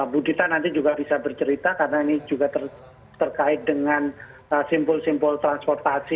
budita nanti juga bisa bercerita karena ini juga terkait dengan simpul simpul transportasi